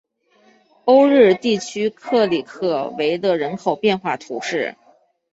欧日地区克里克维勒人口变化图示